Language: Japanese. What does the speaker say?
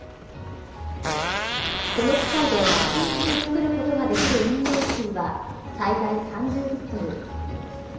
この機械で１日に作ることができる飲用水は最大３０リットル。